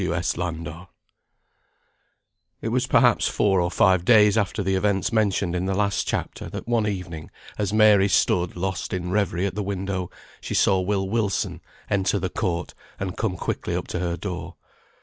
W. S. LANDOR. It was perhaps four or five days after the events mentioned in the last chapter, that one evening, as Mary stood lost in reverie at the window, she saw Will Wilson enter the court, and come quickly up to her door.